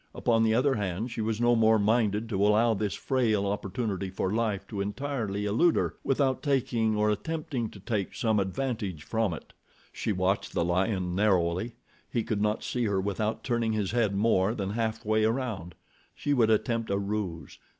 Upon the other hand she was no more minded to allow this frail opportunity for life to entirely elude her without taking or attempting to take some advantage from it. She watched the lion narrowly. He could not see her without turning his head more than halfway around. She would attempt a ruse.